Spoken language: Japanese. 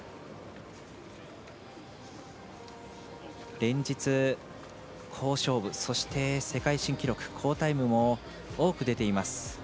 連日、好勝負、世界新記録好タイムも多く出ています。